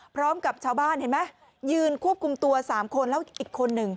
พร้อมกับชาวบ้านยืนควบคุมตัว๓คนแล้วอีกคนนึง